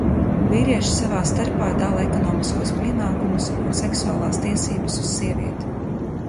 Vīrieši savā starpā dala ekonomiskos pienākumus un seksuālās tiesības uz sievieti.